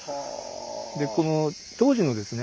でこの当時のですね